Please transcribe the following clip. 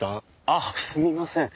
あっすみません。